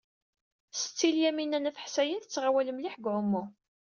Setti Lyamina n At Ḥsayen tettɣawal mliḥ deg uɛumu.